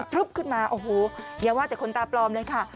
ึบขึ้นมาโอ้โหอย่าว่าแต่คนตาปลอมเลยค่ะ